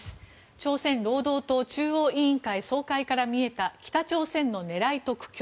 朝鮮労働党中央委員会総会から見えた北朝鮮の狙いと苦境。